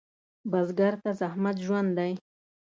بزګر ته زحمت ژوند دی